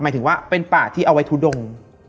หมายถึงว่าเป็นป่าที่เอาไว้ทุดง